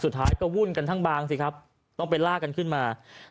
สุดท้ายก็วุ่นกันทั้งบางสิครับต้องไปลากกันขึ้นมา